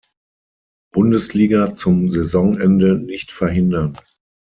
Bundesliga zum Saisonende nicht verhindern.